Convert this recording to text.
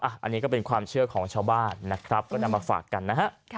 อันนี้ก็เป็นความเชื่อของชาวบ้านนะครับก็นำมาฝากกันนะฮะ